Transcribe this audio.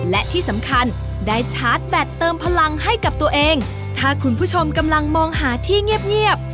และที่สำคัญได้ชาร์จแบตเติมพลังให้กับตัวเองถ้าคุณผู้ชมกำลังมองหาที่เงียบเงียบ